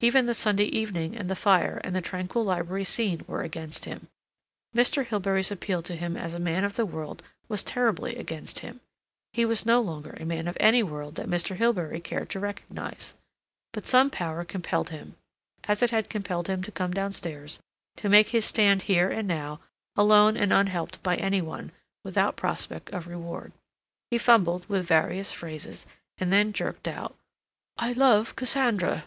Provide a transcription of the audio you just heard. Even the Sunday evening and the fire and the tranquil library scene were against him. Mr. Hilbery's appeal to him as a man of the world was terribly against him. He was no longer a man of any world that Mr. Hilbery cared to recognize. But some power compelled him, as it had compelled him to come downstairs, to make his stand here and now, alone and unhelped by any one, without prospect of reward. He fumbled with various phrases; and then jerked out: "I love Cassandra." Mr.